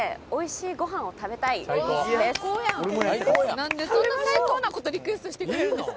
何でそんな最高なことリクエストしてくれるんですか？